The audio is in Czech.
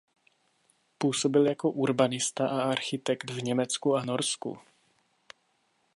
Působil jako urbanista a architekt v Německu a Norsku.